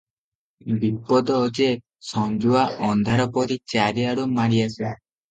ବିପଦ ଯେ ସଞ୍ଜୁଆ ଅନ୍ଧାରପରି ଚାରିଆଡ଼ୁ ମାଡିଆସେ ।